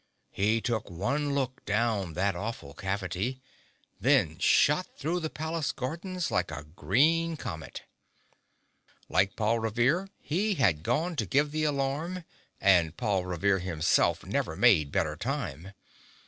He took one look down that awful cavity, then shot through the palace gardens like a green comet. Like Paul Revere he had gone to give the alarm, and Paul Revere himself never made better time.